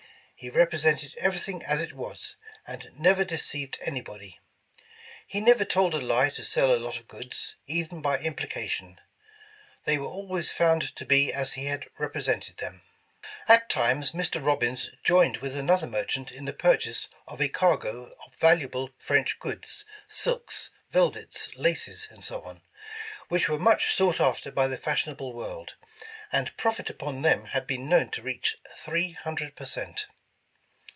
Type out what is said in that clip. He represented everything as it was, and never deceived anybody. He never told a lie to sell a lot of goods, even by implica 230 War of 1812 tion. They were always found to be as he had repre sented them." At times, Mr. Robbins joined with another merchant in the purchase of a cargo of valuable French goods, silks, velvets, laces, etc., which were much sought after by the fashionable world, and profit upon them had been known to reach thi'ee hundred per cent.